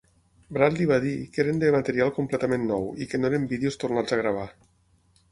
Bradley va dir que eren de material completament nou i que no eren vídeos tornats a gravar.